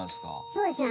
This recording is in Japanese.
「そうですね